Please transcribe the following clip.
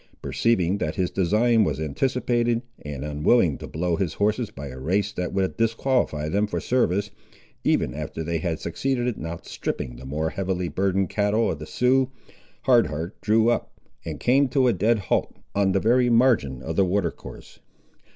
Perceiving that his design was anticipated, and unwilling to blow his horses by a race that would disqualify them for service, even after they had succeeded in outstripping the more heavily burdened cattle of the Siouxes, Hard Heart drew up, and came to a dead halt on the very margin of the water course.